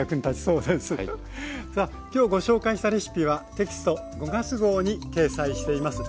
さあ今日ご紹介したレシピはテキスト５月号に掲載しています。